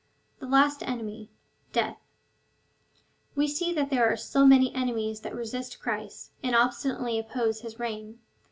The last enemy — death. We see that there are still many enemies that resist Christ, and obstinately oppose his reign.